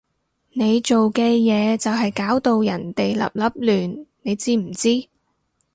你做嘅嘢就係搞到人哋立立亂，你知唔知？